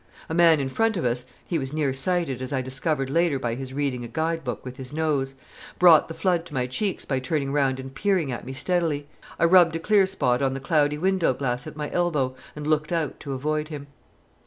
A man in front of us he was near sighted, as I discovered later by his reading a guide book with his nose brought the blood to my cheeks by turning round and peering at me steadily. I rubbed a clear spot on the cloudy window glass at my elbow, and looked out to avoid him.